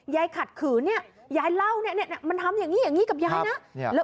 ยายขัดขืนยายเล่ามันทำอย่างนี้กับยายนะ